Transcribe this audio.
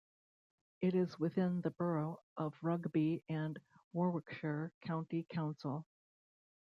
It is within the borough of Rugby and Warwickshire county council.